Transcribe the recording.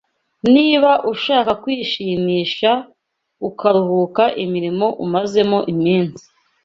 Niba ushaka kwishimisha ukaruhuka imirimo umazemo iminsi